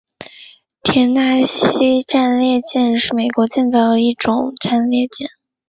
田纳西级战列舰是美国建造的一种战列舰。